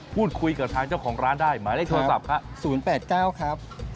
พูดคุยกับทางเจ้าของร้านได้หมายเลขโทรศัพท์ค่ะ